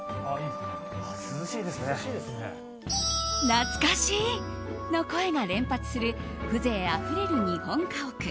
懐かしいの声が連発する風情あふれる日本家屋。